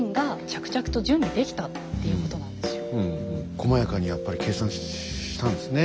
こまやかにやっぱり計算したんですね。